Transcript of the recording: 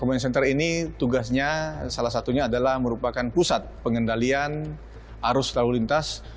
common center ini tugasnya salah satunya adalah merupakan pusat pengendalian arus lalu lintas